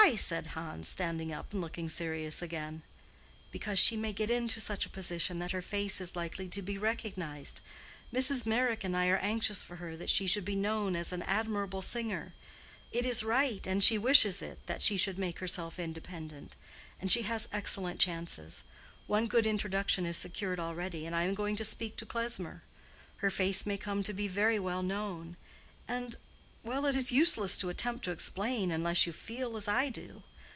said Hans, standing up, and looking serious again. "Because she may get into such a position that her face is likely to be recognized. Mrs. Meyrick and I are anxious for her that she should be known as an admirable singer. It is right, and she wishes it, that she should make herself independent. And she has excellent chances. One good introduction is secured already, and I am going to speak to Klesmer. Her face may come to be very well known, and—well, it is useless to attempt to explain, unless you feel as I do.